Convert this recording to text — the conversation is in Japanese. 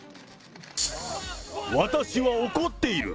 私は怒っている！